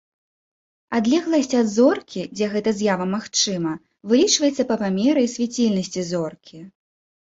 Адлегласць ад зоркі, дзе гэта з'ява магчыма, вылічваецца па памеры і свяцільнасці зоркі.